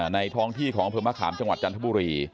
ในท้องที่ของผลมขามจังหวัดจันทบุรี